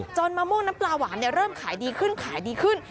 มะม่วงน้ำปลาหวานเริ่มขายดีขึ้นขายดีขึ้น